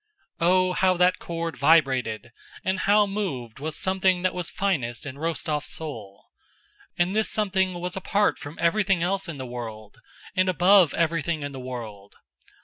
Oh, how that chord vibrated, and how moved was something that was finest in Rostóv's soul! And this something was apart from everything else in the world and above everything in the world.